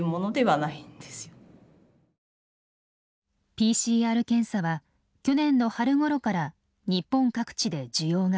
ＰＣＲ検査は去年の春ごろから日本各地で需要が急増。